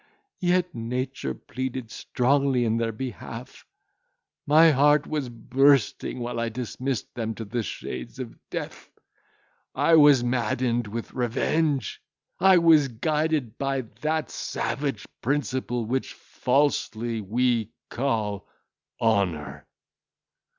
Yet nature pleaded strongly in their behalf!—My heart was bursting while I dismissed them to the shades of death. I was maddened with revenge! I was guided by that savage principle which falsely we call honour.